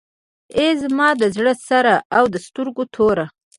ای زما د زړه سره او د سترګو توره.